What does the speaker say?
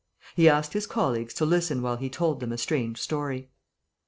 He asked his colleagues to listen while he told them a strange story.